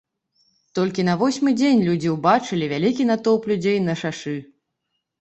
Толькі на восьмы дзень людзі ўбачылі вялікі натоўп людзей на шашы.